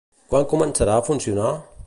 Quan començarà a funcionar?